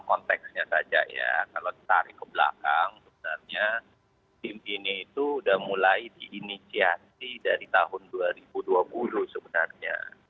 konteksnya saja ya kalau ditarik ke belakang sebenarnya tim ini itu sudah mulai diinisiasi dari tahun dua ribu dua puluh sebenarnya